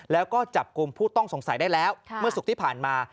แล้วก็จับกลุ่มผู้ต้องสงสัยได้แล้วเมื่อศุกร์ที่ผ่านมา